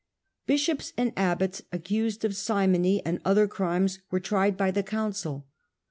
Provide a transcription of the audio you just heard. V Bishops and abbots accused of simony and other ^^ .aimes were tried by the council.